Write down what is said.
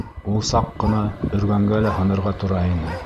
Ул саҡ ҡына өргәнгә лә һынырға тора ине.